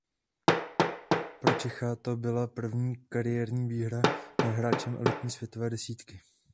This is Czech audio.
Pro Čecha to byla první kariérní výhra nad hráčem elitní světové desítky.